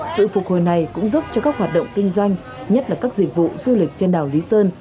sự phục hồi này cũng giúp cho các hoạt động kinh doanh nhất là các dịch vụ du lịch trên đảo lý sơn